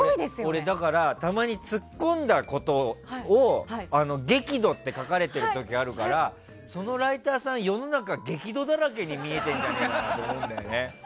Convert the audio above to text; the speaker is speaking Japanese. たまにツッコんだことを激怒って書かれてる時あるからそのライターさん世の中激怒だらけに見えてんじゃねえかなと思うんだよね。